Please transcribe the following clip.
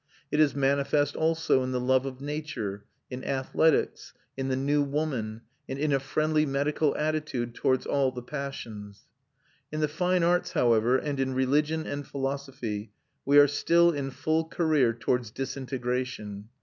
It is manifest also in the love of nature, in athletics, in the new woman, and in a friendly medical attitude towards all the passions. In the fine arts, however, and in religion and philosophy, we are still in full career towards disintegration.